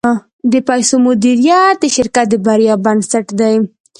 د پیسو مدیریت د شرکت د بریا بنسټ دی.